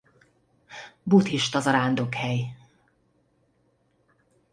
Buddhista zarándokhely.